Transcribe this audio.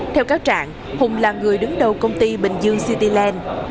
theo cáo trạng hùng là người đứng đầu công ty bình dương city land